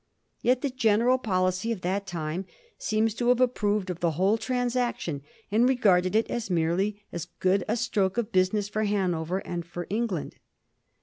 Yet the general policy of that time seems to have approved of the whole transaction, and regarded it merely as a good stroke of business for Hanover and for England.